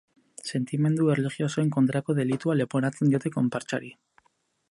Sentimendu erlijiosoen kontrako delitua leporatzen diote konpartsari.